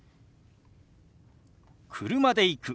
「車で行く」。